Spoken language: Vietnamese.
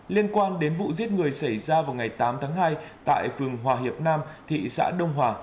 liên quan đến vụ giết người xảy ra vào ngày tám tháng hai tại phường hòa hiệp nam thị xã đông hòa